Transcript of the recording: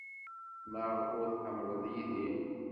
Maɣef ur tḥemmleḍ Yidir?